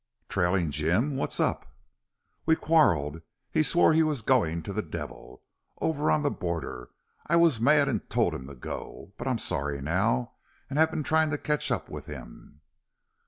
"Trailin' Jim! What's up?" "We quarreled. He swore he was going to the devil. Over on the border! I was mad and told him to go.... But I'm sorry now and have been trying to catch up with him."